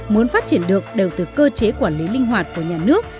muốn phát triển được đều từ cơ chế quản lý linh hoạt của nhà nước